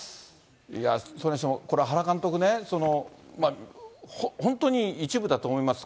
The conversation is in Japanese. それにしても、原監督ね、本当に一部だと思います。